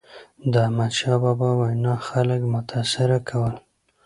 د احمدشاه بابا وینا خلک متاثره کول.